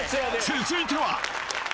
続いては！